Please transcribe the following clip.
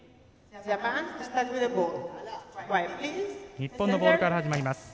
日本のボールから始まります。